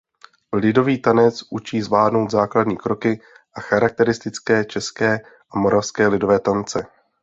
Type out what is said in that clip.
Lidový tanec učí zvládnout základní kroky a charakteristické české a moravské lidové tance.